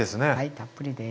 たっぷりです。